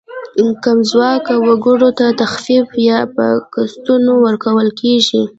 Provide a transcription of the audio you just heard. کم ځواکه وګړو ته تخفیف یا په قسطونو ورکول کیږي.